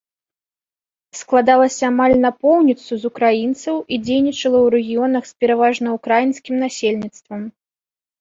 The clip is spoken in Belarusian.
Складалася амаль напоўніцу з украінцаў і дзейнічала ў рэгіёнах з пераважна ўкраінскім насельніцтвам.